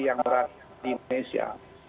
yang berat di indonesia